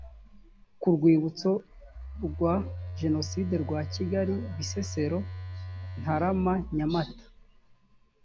ku rwibutso rwa jenoside rwa kigali bisesero ntarama nyamata